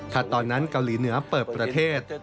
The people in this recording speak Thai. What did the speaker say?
ถ้าตอนนั้นเกาหลีเหนือเปิดประเทศ